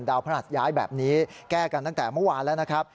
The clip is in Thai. พระหัสย้ายแบบนี้แก้กันตั้งแต่เมื่อวานแล้วนะครับ